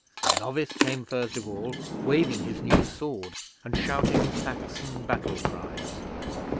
The novice came first of all, waving his new sword and shouting Saxon battle cries.